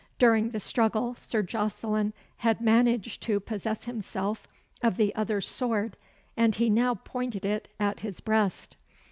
During the struggle, Sir Jocelyn had managed to possess himself of the other's sword, and he now pointed it at his breast.